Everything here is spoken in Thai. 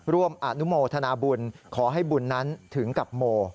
ร่วมอนุโมทนาบุญขอให้บุญนั้นถึงกับโม